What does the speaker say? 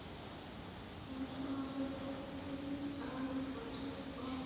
অবশ্য আমাদের কাছে ছুরি আর কাঁটাচামচ থাকবে।